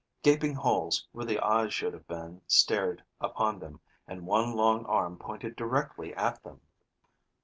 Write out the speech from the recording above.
Gaping holes, where the eyes should have been, stared upon them, and one long arm pointed directly at them.